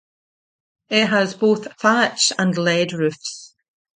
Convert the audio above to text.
It has both thatch and lead roofs.